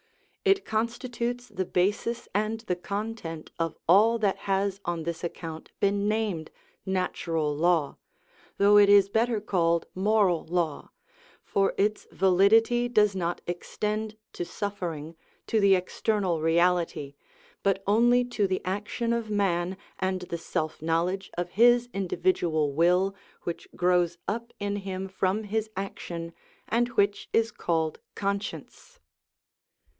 It constitutes the basis and the content of all that has on this account been named natural law, though it is better called moral law, for its validity does not extend to suffering, to the external reality, but only to the action of man and the self knowledge of his individual will which grows up in him from his action, and which is called conscience.